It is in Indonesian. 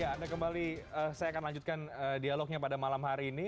ya anda kembali saya akan lanjutkan dialognya pada malam hari ini